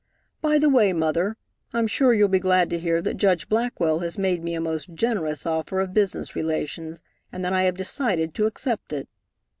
By the way, Mother, I'm sure you'll be glad to hear that Judge Blackwell has made me a most generous offer of business relations, and that I have decided to accept it."